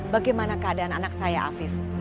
bagaimana keadaan anak saya afif